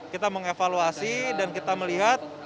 kita mengevaluasi dan kita melihat